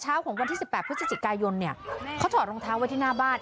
ของวันที่๑๘พฤศจิกายนเนี่ยเขาถอดรองเท้าไว้ที่หน้าบ้าน